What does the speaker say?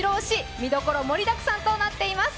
見どころ盛りだくさんとなっています。